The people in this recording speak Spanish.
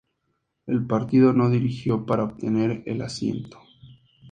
El partido no dirigió para obtener el asiento.